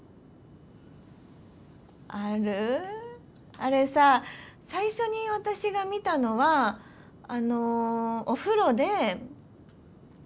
あれさ最初に私が見たのはあのお風呂で見つけて。